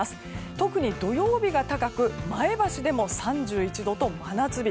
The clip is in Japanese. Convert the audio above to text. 特に土曜日が高く前橋でも３１度と真夏日。